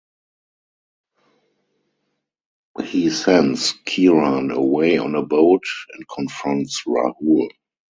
He sends Kiran away on a boat and confronts Rahul.